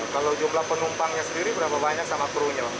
kalau jumlah penumpangnya sendiri berapa banyak sama kru nya